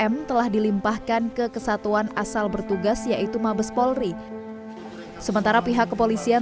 m telah dilimpahkan ke kesatuan asal bertugas yaitu mabes polri sementara pihak kepolisian